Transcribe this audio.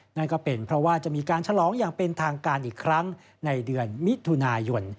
นั่นก็เป็นเพราะว่าจะมีการฉลองอย่างเป็นทางการอีกครั้งในเดือนมิถุนายน